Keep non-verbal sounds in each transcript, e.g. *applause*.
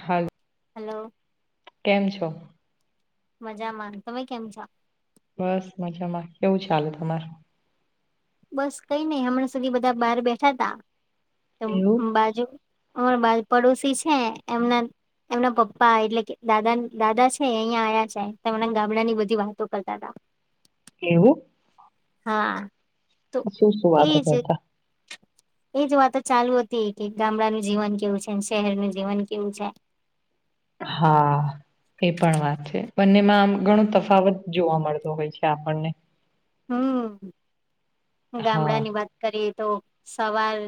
હાલ. હલો. કેમ છો? મજા મા તમે કેમ છો? બસ મજામાં કેવું ચાલે તમારું બસ કઈ નઈિ હમણાં સુધી બધા બહાર બેઠા તા એવું બાજુ અમાર બાલ પડોશી છે એમના એમના પપ્પા એટલે કે દાદા દાદા છે અહિયાં આવ્યા છે એમના ગામડા ની બધી વાતો કરતા હતાા *unintelligible* એવું હા તો શું શું વાતો એજ કરતા એજ વાતો ચાલુ હતી કે ગામડાનું જીવન કેવું છે શહેરનુંું જીવન કેવું છે *unintelligible* હા એ પણ વાત છે બંનેમાં આમ ઘણો તફાવત જોવા મળતો હોય છે આપણને હમ હા ગામડા ની વાત કરીએ તો સવાર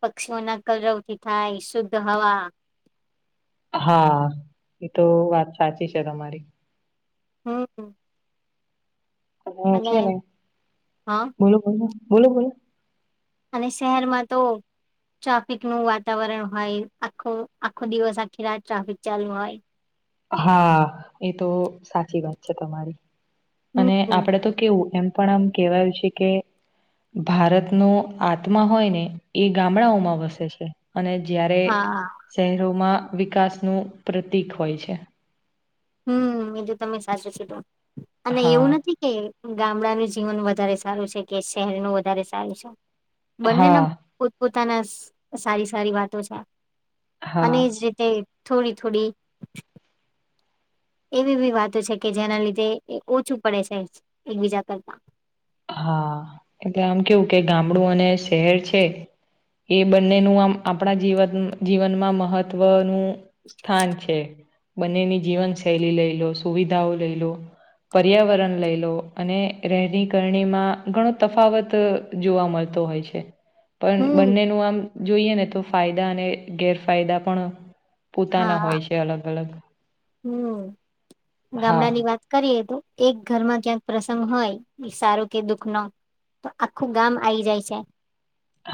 પક્ષીઓના કરવ થી થાય શુદ્ધ હવા હા એ તો વાત સાચી છે તમારી હમ હા અને છે ને હા બોલું બોલો બોલો બોલો અને શહેરમાં તો ટ્રાફિક નું વાતાવરણ હોય આખો આખો દિવસ આખી રાત ટ્રાફિક ચાલુ હોય હા એ તો સાચી વાત છે તમારી અને હમ. આપડે તો કેવું એમ પણ આમ કેહેવાયું છે કે ભારતનો આત્મા હોય ને એ ગામડાઓમાં વસે છે અને જ્યારે હા શહેરોમાં વિકાસનું પ્રતીિક હોય છે હમ એજ તમે સાચું છેટ અને હા એવું નથી કે ગામડાનું જીવન વધારે સારું છે કે શહેરનુ વધારે સારું છે? બંનેના હા પોતપોતાના સારી સારી વાતો છે. અને હા જ રીતે થોડી થોડી એવી વી વાતો છે કે જેના લીધે ઓછું પડે છે એકબીજા કરતા. હા એટલે આમ કેવું કે ગામડું અને શહેર છે. એ બંનેનું આમ આપણા જીવન જીવનમાં મહત્વનું સ્થાન છે. બંનેની જીવનશૈલી લઈ લો સુવિધાઓ લઈ લો પર્યાવરણ લઈ લો અને રહેની કરણીમાં ઘણો તફાવત જોવા મળતો હોય છે. પણ હમ. બંનેનું આમ જોઈએ ને તો ફાયદા અને ગેરફાયદા પણ પોતાના હોય છે અલગ અલગ હ હા ગામડા ની વાત કરીએ એક ઘરમાં ક્યાંક પ્રસંગ હોય સારું કે દુઃખ નો તો આખું ગામ આઈ જાય છે.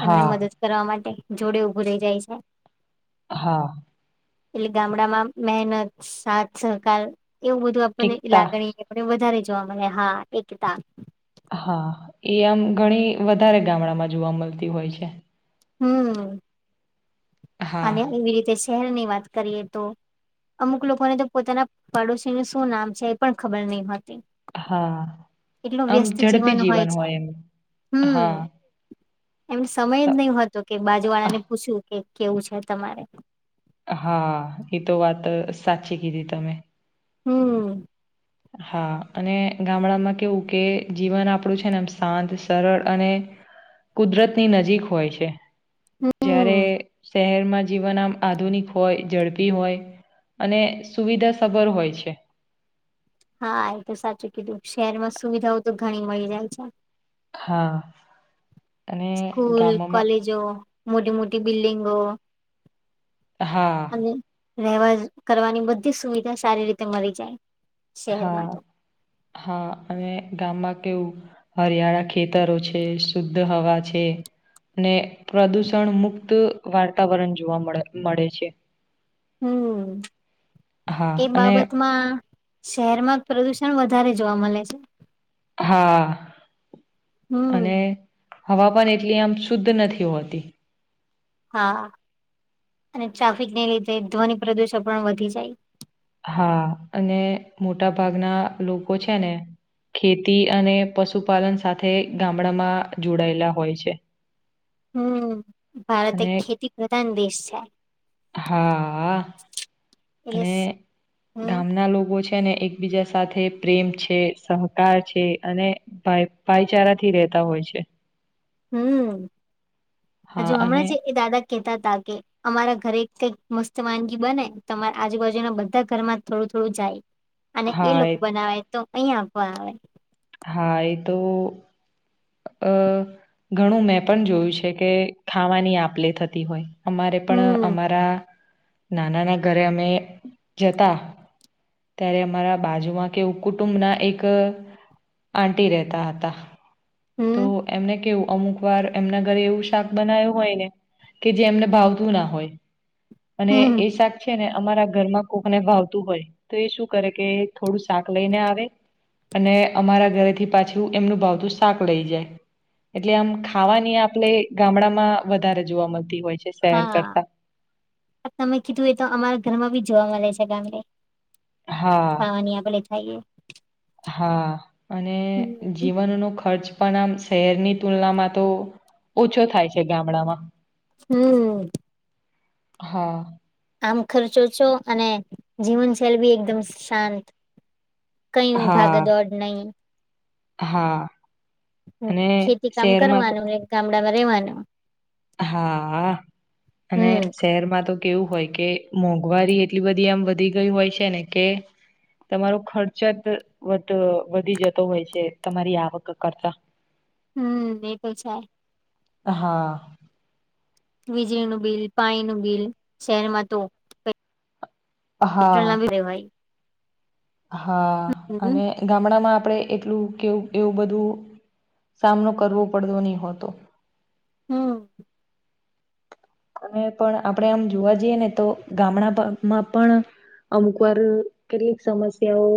એમને હા મદદ કરવા માટે જોડે ઉભું રહી જાય છે. હા. એટલે ગામડામાં મહેનત સાથ સરહકાર એવું બધું આપણને એકતા લાગણી વધારે જોવા મળે હા એકતા હા એ આમ ઘણી વધારે ગામડામાં જોવા મળતી હોય છે. હમ્મ હા અને એવી રીતે શહેરની વાત કરીએ તો અમુક લોકોને તો પોતાના પાડોશીનું શું નામ છે એ પણ ખબર નહી હા એટલું આમ વ્યસ્ત ઝડપી જીવન હોય છે. એમ હમ્મ. હા એમ સમય જ સ- નહતો કે બાજુ વાળા આહ, ને પૂછવું કે કેવું છે તમારે? હા એ તો વાત સાચી કીધી તમે. હમ્મ. હા અને ગામડામાં કેવું કે જીવન આપણું છે ને એમ શાંત સરળ અને કુદરત ની નજીક હોય છે જ્યારે હમ શહેર જીવન આમ આધુનિક હોય ઝડપી હોય અને સુવિધા સભર હોય છે. હા એ તો સાચું કીધું શહેરમાં સુવિધાઓ તો ઘણી મળી જાય છે. હા. અને સ્કૂલ ગામોમાં કોલેજો મોટી મોટી બિલ્ડિંગો. હા. અને રહેવા કરવાની બધી સુવિધા સારી રીતે મળી જા હા હા અને ગામમાં કેવું હરિયાળા ખેતરો છે શુદ્ધ હવા છે. અને પ્રદૂષણ મુક્ત વાતાવરણ જોવા મળે મળે છે. હમ્મ એ હા અને બાબતમાં શહેરમાં પ્રદુષણ વધારે જોવા મળે છે. હા. અને હમ્મ. હવા પણન એટલી આમ શુદ્ધ નથી હોતી. હા અને ટ્રાફિક ને લીધે ધ્વનિ પ્રદુષણ પણ વધી જાય. હા અને મોટા ભાગના લોકો છે ને. ખેતી અને પશુપાલન સાથે ગામડામાં જોડાયેલા હોય છે. હમ્મ ભારત એક અને ખેતી પ્રધાન દેશ છે. હા એટલે અને હમ ગામના લોકો છે. કેને એકબીજા સાથે પ્રેમ છે સહકાર છે અને ભાઈચારા થી હોય છે. હમ હજુ હા હમણાં છે અને એ દાદા કેતા તા કે અમારા ઘરે કઈક મસ્ત વાનગી બને તમારા આજુબાજુના બધા ઘર માં થોડું થોડું જાય અને એ લોકો બનાવે તો અહીિયાં આપવા આવે હા એ તો અ ઘણું મેં પણ જોયું છે કે ખાવાની આપલે થતી હોય અમારે પણ હમ અમારા નાનાના ઘરે અમે જતા ત્યારે અમારા બાજુમાં કેું કુટુંબ ના એક આંટી રહેતા હતા તો હમ એમને કેવું અમુક વાર એમના ઘરે એવું શાક બનાયું હોય ને કે જે એમને ભાવતું ના હોય અને હમ એ શાક છે ને અમારા ઘર માં કોકને ભાવતું હોય તો એ શું કરે કે થોડું શાક લઈને આવે અને અમારા ઘરેથી પાછું એમનું ભાવતું શાક લઈ જાય એટલે આમ ખાવાની આપણે ગામડામાં વધારે જોવા મળતી હોય છે શહેર હા કરતા તમે કીધું એ તો અમારા ઘરમાં બી જોવા મળે છે ગામડે હા ખાવાની આપડે થાયએ હા અને હમ જીવનનો ખર્ચ પણ આમ શહેરની તુલનામાં તો ઓછો થાય છે ગામડામાં હમ હા આમ ખર્ચો છો અને જીવન જેૈલ બી એકદમ શાંત કયું હા ભાગદોડ નહી હા અને ખેતી કામ શહેરમાં તો કરવાનું ગામડામાં રેવાનું હા અને હમ શહેરમાં તો કેવું હોય કે મોંઘવારી એટલી બધી આમ વધી ગય હોય છે ને કે તમારો ખર્ચ જ વધ વધી જતો હોય છે તમારી આવક કરતા હમ એ તો છે હા વીજળીનું બિલ પાણી નું બિલ શહેરમાં તો હા પેટ્રલ *unintelligible* હા અને ગામડામાં આપણેે એટલું કેવું એવું બધું સામનો કરવો પડતો ની હોતો હમ અને પણ આપણેે આમ જોવા જઈએ ને તો ગામડામાં પણ અમુક વાર કેટલીક સમસ્યાઓ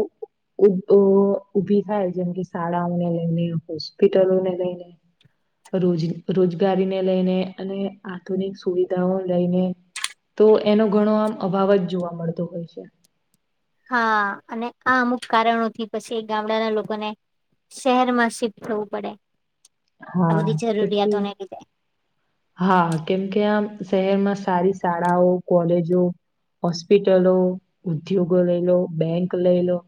ઉ ઊભી થાય જેમ કે શાળાઓને લઈને હોસ્પિટલોને લઈને રોજ રોજગારીને લઈને અને આધુનિક સુવિધાઓ લઈને તો એનો ઘણો આમ *unintelligible* જોવા મળતો હોય છે હા અને આ અમુક કારણોથી પછી ગામડાના લોકોને શહેરમાં શિફ્ટ થવું પડે આ બધી હા. કેમ કે જરૂરિયાતોને લીધે હા કેમ કે આમ શહેરમાં સારી શાળાઓ કોલેજો હોસ્પિટલો ઉદ્યોગો લઈ લો બેંક લઈ લો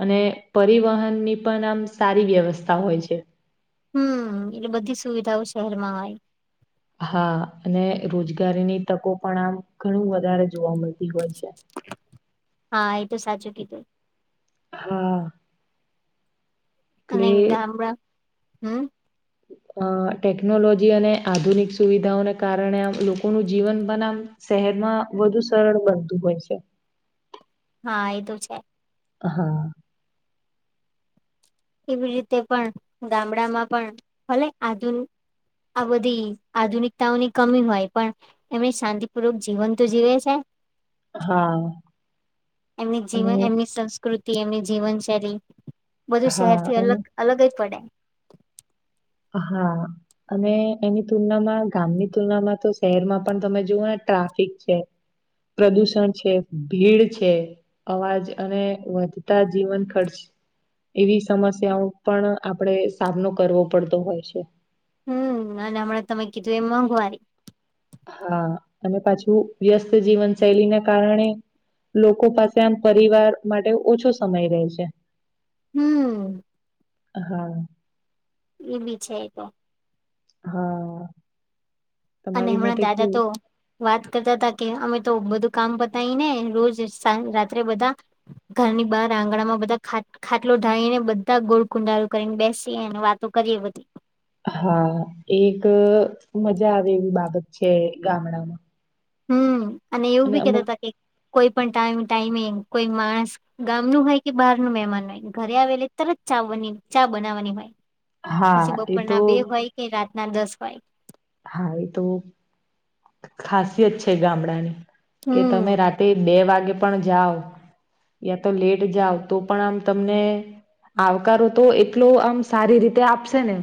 અને પરિવહનની પન આમ સારી વ્યવસ્થા હોય છે હમ એટલે બધી સુવિધાઓ શહેરમાં હોય હા અને રોજગારીની તકો પણ આમ ઘણું વધારે જોવા મળતી હોય છે હા એ સાચું તો હા અને એટલે *unintelligible* હમ અ ટેકનોલોજી અને આધુનિક સુવિધાઓને કારણે આમ લોકોનું જીવન પન આમ શહેરમાં વધુ સરળ બનતું હોય છે હા એ તો છે હા. એવી રીતે પણ ગામડામાં પણ ભલે આધુ આ બધી આધુનિકતાઓની કમી હોય પણ એમને શાંતિપૂર્વક જીવન તો જીવે છે. હા એમની અને જીવન એમની સંસ્ કૃતિ એમની જીવનશૈલી બધું શહેર હા થી અને અલગ અલગ જ પડે. હા અને એની તુલનામાં ગામની તુલનામાં તો શહેરમાં પણ તમે જુઓ ને ટા ટ્રાફિક છે. પ્રદૂષણ છે ભીડ છે અવાજ અને વધતા જીવન ખર્ચ એવી સમસ્યાઓ પણ આપણેે સામનો કરવો પડતો હોય છે. હમ્મ અને હમણાં તમે કીધું એમ મોંઘવારી. હા અને પાછું વ્યસ્ત જીવન શૈલી ના કારણે લોકો પાસે આમ પરિવાર માટે ઓછો સમય રેય છે. હમ્મ. હા. એ બી છે તો. હા. અને તમારી હમણાં મતે દાદા તો કેવું વાત કરતા હતા કે અમે તો બધું કામ પતાય ને રોજ સાંજ રાત્રે બધા ઘરની બાર આંગણામાં બધા ખા ખાટલો *unintelligible* ને બધા ગોળકુંડારો કરીને બેસી અને વાતો કરીએ બધી. હા એક મજા આવે એવી બાબત છે ગામડામાં હમ્મ અને એવું બી કેતા હતા કે કોઈ પણ ટાઈમ ટાઈમેિંગ કોઈ માણસ ગામ નુ હોય કે બહાર નુ મહેમાન હોય ઘરે આવે એટલે તરત ચા બની ચા બનાવવાની હોય પછી હા એ તો બપોરના બે હોય કે રાતના દસ હોય. હા એ તો ખાસિયત છે ગામડા ની. કે તમે હમ રાતે બે વાગે પણ જાઓ યા તો લેટ જાવ તો પણ આમ તમને આવકારો તો એટલો આમ સારી રીતે આપશે ને.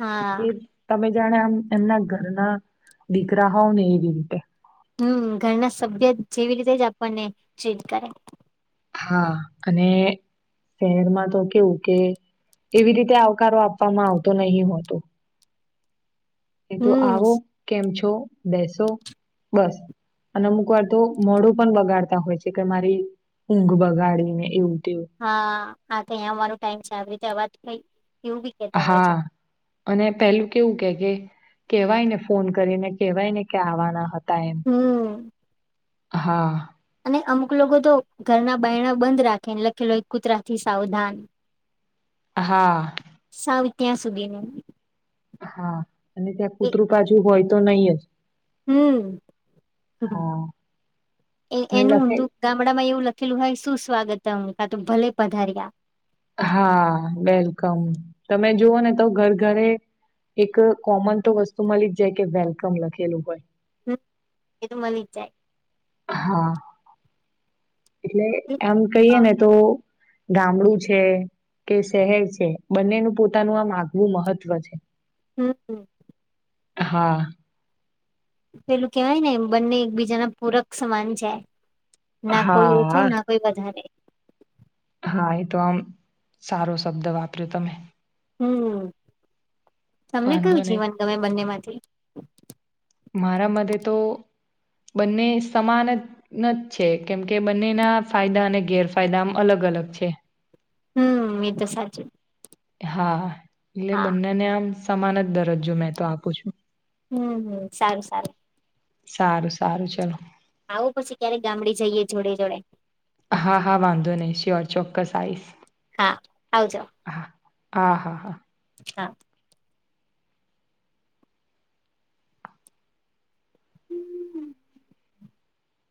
હા. કે તમે જાણે આમ એમના ઘરના દીકરા હોવ ને એવી રીતે. હમ ઘરના સભ્ય જેવી રીતે જ આપણને ચેટ કરે. હા અને શહેરમાં તો કેવું કે એવી રીતે આવકારો આપવામાં આવતો નહી હોતો. એ તું હમ આવો કેમ છો બેસો બસ. અને અમુક વાર તો મોડું પણ બગાડતા હોય છે કે મારી ઊંઘ બગાડીને એવું. તેવું હા હા આ કઈ આવવાનું ટાઈમ છે આવી રીતે વાત થઈ હા અને પેલું કેવું કે કે કેવાય ને ફોન કરીને કેવાય ને કે આવાના હત હતા એમ હમ હા. અને અમુક લોકો તો ઘરના બાયણા બંધ રાખેને લખેલો એક કૂતરાથી સાવધાન. હા. સાવ ત્યાં સુધી નુ. હા અને ત્યાં કૂતરું બાજુ હોય તો નહી આજ. હમ્મ હા એ અને એનું લખે ઊંધુ ગામડામાં એવું લખ લખેલું હોય શું સ્વાગત કાતો ભલે પધાર્યા. હા વેલકમ તમે જુઓ ને તો ઘર ઘરે એક કોમન તો વસ્તુ મળી જ જાય કે વેલકમ લખેલું હોય. હમ્મ એ તો મળી જ જાય. હા એટલે એમ કહીએ હા ને તો ગામડું છે કે શહેર છે બંનેનું પોતાનું આ આગવું મહત્વ છે. હમ્મ-હમ્મ. હા. પેલું કેવાય ને બંને એકબીજાના પૂરક સમાન છે. ના કોઈ ઓછું હા ના કોઈ વધારે. હા એ તો આમ સારો શબ્દ વાપર્યો તમે. હમ્મ તમને વાંધો કયું નહી જીવન ગમે બંને માંથી. મારા મતે તો બંને સમાન જ છે કેમકે બંનેના ફાયદા અને ગેરફાયદા આમ અલગ અલગ છે. હમ એ તો સાચું. હા એટલે હા બંનેને આમ સમાન જ દરજ્જો મેં તો આપું છું. હમ્મ-હમ્મ સારું-સારું. સારું-સારું ચલો. આવું પછી ક્યારે ગામડે જઈએ જોડે જોડે. હા હા વાંધો નહી શ્યોર ચોક્કસ આવીશ. હા આવજો. હા-હા-હા. હા. *inaudible*